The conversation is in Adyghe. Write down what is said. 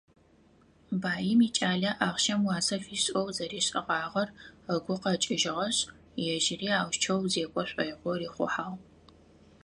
Баим икӏалэ ахъщэм уасэ фишӏэу зэришӏыгъагъэр ыгу къэкӏыжьыгъэшъ, ежьыри аущтэу зекӏо шӏоигъоу рихъухьагъ.